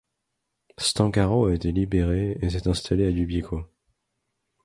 Stancaro a été libéré et s'est installé à Dubiecko.